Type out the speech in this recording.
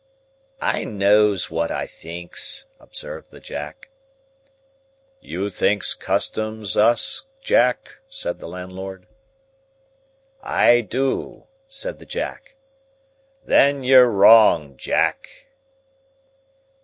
"I knows what I thinks," observed the Jack. "You thinks Custom 'Us, Jack?" said the landlord. "I do," said the Jack. "Then you're wrong, Jack."